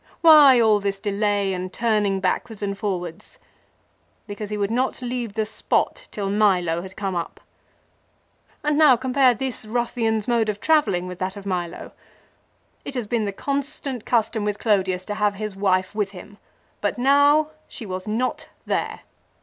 Why all this delay and turning backwards and forwards? Because he would not leave the spot till Milo had come up. And now compare this ruffian's mode of travelling with that of Milo. It has been the constant custom with Clodius to have his wife with him, but now she was not there.